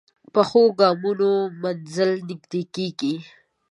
پخو ګامونو منزل نږدې کېږي